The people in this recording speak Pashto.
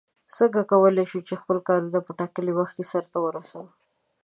څنگه کولای شو چې خپل کارونه په ټاکلي وخت سرته ورسوو؟